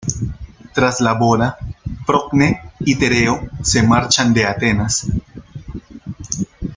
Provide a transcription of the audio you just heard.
Tras la boda, Procne y Tereo se marchan de Atenas.